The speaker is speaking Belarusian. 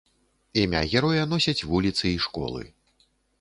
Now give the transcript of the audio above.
Імя героя носяць вуліцы і школы.